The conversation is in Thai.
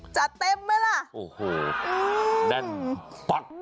จะเต็มไหมล่ะโอ้โหแน่นปั๊ก